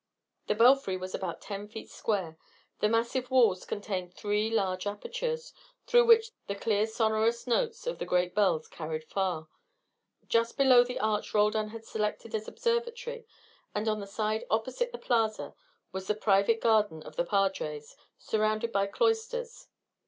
The belfry was about ten feet square. The massive walls contained three large apertures, through which the clear sonorous notes of the great bells carried far. Just beneath the arch Roldan had selected as observatory, and on the side opposite the plaza was the private garden of the padres, surrounded by cloisters.